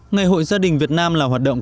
ngày hội gia đình việt nam là hoạt động